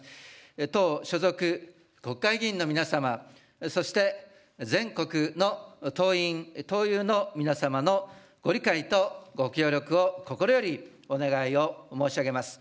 党所属国会議員の皆様、そして全国の党員・党友の皆様のご理解とご協力を心よりお願いを申し上げます。